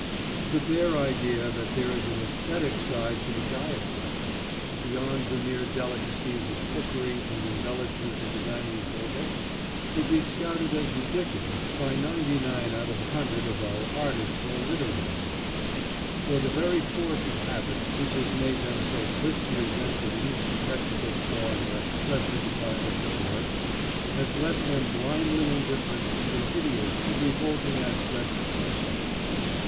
The bare idea that there is an æsthetic side to the diet question, beyond the mere delicacies of cookery and embellishments of the dining table, would be scouted as ridiculous by ninety nine out of a hundred of our artists or literary men; for the very force of habit which has made them so quick to resent the least technical flaw in their special departments of work, has left them blindly indifferent to the hideous and revolting aspects of flesh eating.